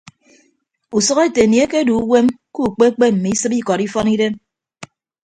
Usʌk ete anie ekedu uwem ke ukpe kpe mme isịp ikọd ifọn idem.